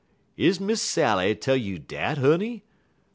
"Is Miss Sally tell you dat, honey?